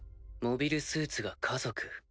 モビルスーツが家族？